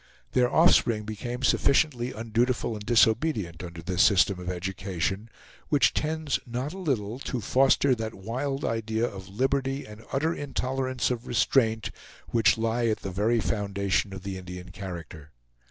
Their offspring became sufficiently undutiful and disobedient under this system of education, which tends not a little to foster that wild idea of liberty and utter intolerance of restraint which lie at the very foundation of the Indian character.